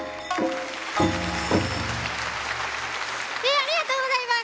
ありがとうございます。